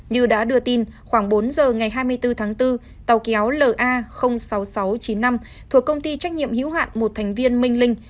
như đã đưa tin khoảng bốn giờ ngày hai mươi bốn tháng bốn tàu kéo la sáu nghìn sáu trăm chín mươi năm thuộc công ty trách nhiệm hữu hạn một thành viên minh linh